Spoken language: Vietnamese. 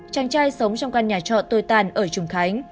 chàng trai sống trong căn nhà trọ tôi tàn ở trùng khánh